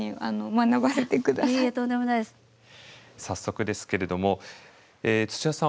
早速ですけれどもつちやさん